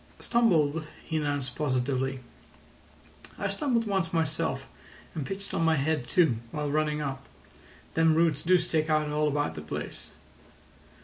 "Stumbled," he announced positively. "I stumbled once myself, and pitched on my head too, while running up. Them roots do stick out all about the place.